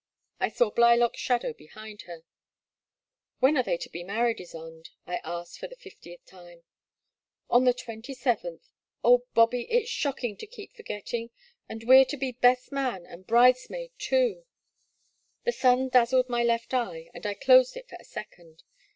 I saw Blylock*s shadow behind her. *' When are they to be married, Ysonde ?'* I asked for the fiftieth time. " On the twenty seventh, — oh, Bobby, it 's shocking to keep forgetting — and we 're to be best man and bride^s maid, too I " Z3 194 The Slack Water. The sun dazzled my left eye, and I closed it for a second.